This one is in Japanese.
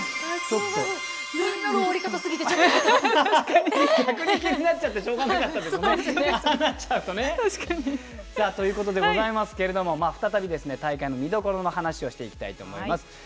気になる終わり方すぎて！ということでございますけれども再び大会の見どころの話をしていきたいと思います。